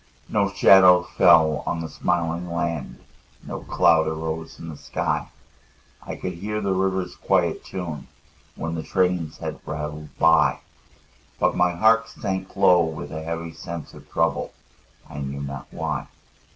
No shadow fell on the smiling land, No cloud arose in the sky; I could hear the river's quiet tune When the trains had rattled by; But my heart sank low with a heavy sense Of trouble, I knew not why.